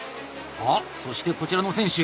あっそしてこちらの選手。